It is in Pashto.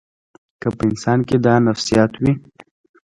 که په انسان کې دا نفسیات وي.